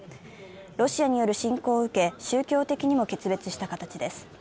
ロシアによる侵攻を受け、宗教的にも決別した形です。